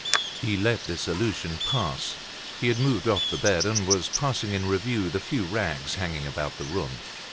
He let this allusion pass. He had moved off the bed, and was passing in review the few rags hanging about the room.